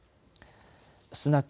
スナク